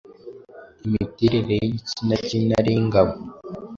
imiterere y’igitsina cy’intare y’ingabo,